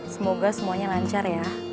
semoga semuanya lancar ya